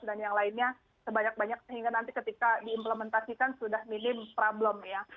dan yang lainnya sebanyak banyak sehingga nanti ketika diimplementasikan sudah minim problem ya